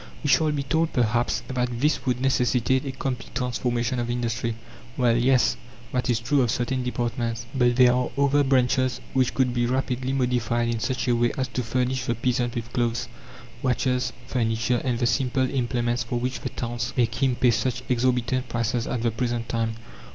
We shall be told, perhaps, that this would necessitate a complete transformation of industry. Well, yes, that is true of certain departments; but there are other branches which could be rapidly modified in such a way as to furnish the peasant with clothes, watches, furniture, and the simple implements for which the towns make him pay such exorbitant prices at the present time.